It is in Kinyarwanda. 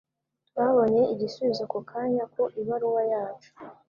Twabonye igisubizo ako kanya ku ibaruwa yacu.